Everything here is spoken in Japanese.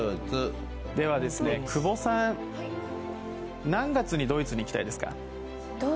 では久保さん、何月にドイツに行きたいですか？